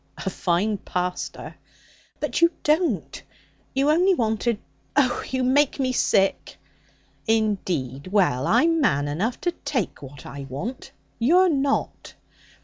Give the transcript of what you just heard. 'A fine pastor!' 'But you don't. You only wanted Oh! you make me sick!' 'Indeed! Well, I'm man enough to take what I want; you're not.'